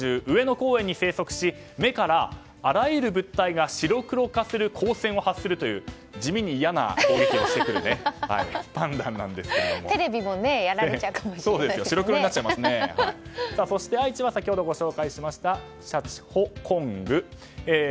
上野公園に生息し目からあらゆる物体が白黒化する光線を発するという地味に嫌な攻撃をしてくるテレビもそして愛知は先ほどご紹介しましたシャチホコング。